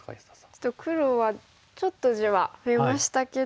ちょっと黒はちょっと地は増えましたけど。